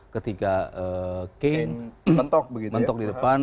ketika kane mentok di depan